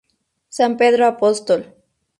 San Pedro Apóstol.